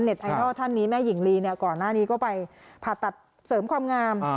ไอดอลท่านนี้แม่หญิงลีเนี่ยก่อนหน้านี้ก็ไปผ่าตัดเสริมความงาม